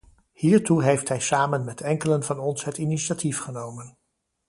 Hiertoe heeft hij samen met enkelen van ons het initiatief genomen.